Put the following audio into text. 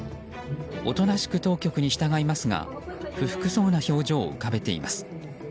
おとなしく当局に従いますが不服そうな表情を浮かべています。